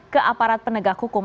ke aparat penegak hukum